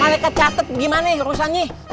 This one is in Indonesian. maleket catet gimana ya urusannya